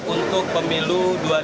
untuk pemilu dua ribu sembilan belas